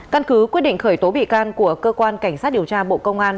căn cứ quyết định khởi tố bị can của cơ quan cảnh sát điều tra bộ công an